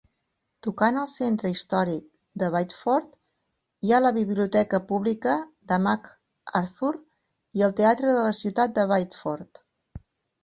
Tocant al centre històric de Biddeford hi ha la Biblioteca Pública de McArthur i el Teatre de la Ciutat de Biddeford.